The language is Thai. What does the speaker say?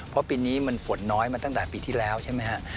เพราะปีนี้มันฝนน้อยมาตั้งแต่ปีที่แล้วใช่ไหมฮะ